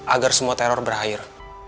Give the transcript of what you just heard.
agar semua teror berakhir